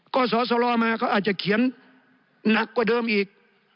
ก็สอสลมาเขาอาจจะเขียนหนักกว่าเดิมอีก